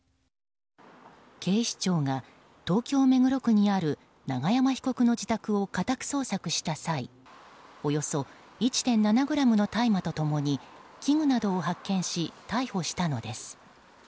警視庁が、東京・目黒区にある永山被告の自宅を家宅捜索した際およそ１．７ｇの大麻と共に器具などを発見し逮捕したのです。